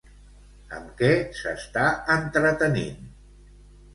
Amb què s'està entretenint?